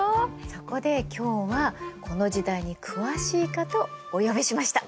そこで今日はこの時代に詳しい方をお呼びしました。